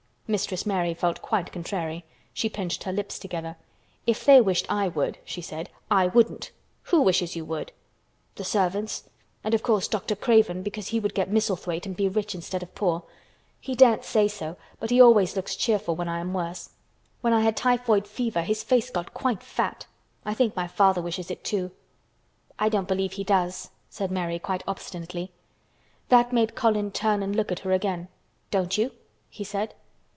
Mistress Mary felt quite contrary. She pinched her lips together. "If they wished I would," she said, "I wouldn't. Who wishes you would?" "The servants—and of course Dr. Craven because he would get Misselthwaite and be rich instead of poor. He daren't say so, but he always looks cheerful when I am worse. When I had typhoid fever his face got quite fat. I think my father wishes it, too." "I don't believe he does," said Mary quite obstinately. That made Colin turn and look at her again. "Don't you?" he said.